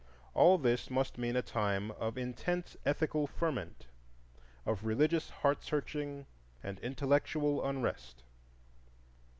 All this must mean a time of intense ethical ferment, of religious heart searching and intellectual unrest.